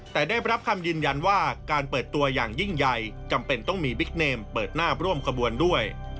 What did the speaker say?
แต่ได้รับคำยืนยันว่าการเปิดตัวอย่างยิ่งใหญ่จำเป็นต้องมีบิ๊กเนมเปิดหน้าร่วมขบวนด้วย